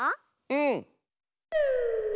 うん！